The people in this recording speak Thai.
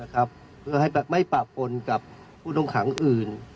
ครับเพื่อให้แบตไม่ปรากฏกับผู้หนุ่มขังอื่น